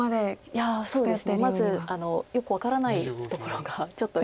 いやまずよく分からないところがちょっと。